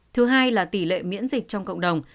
thứ hai là tỷ lệ miễn dịch trong cộng đồng